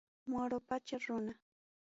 Moro pacha runa.